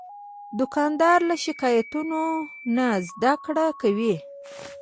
دوکاندار له شکایتونو نه زدهکړه کوي.